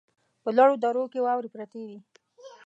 په لوړو درو کې واورې پرتې وې.